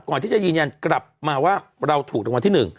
ก่อนที่จะยืนยันกลับมาว่าเราถูกรางวัลที่๑